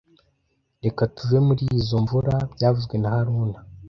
Reka tuve muri izoi mvura byavuzwe na haruna